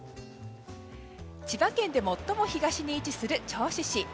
千葉県で最も東に位置する銚子市。